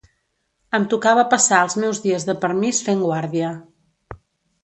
Em tocava passar els meus dies de permís fent guàrdia